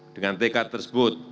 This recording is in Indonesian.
dengan tekad tersebut